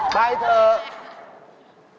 ไปเถอะ